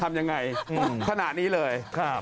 ทำยังไงขณะนี้เลย